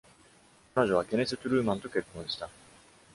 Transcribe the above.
彼女はケネス・トゥルーマンと結婚した。